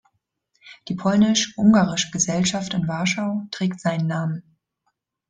Die Polnisch-Ungarische-Gesellschaft in Warschau trägt seinen Namen.